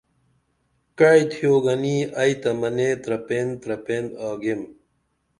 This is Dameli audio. کعی تِھیو گنی ائی تہ منے ترپین ترپین آگیم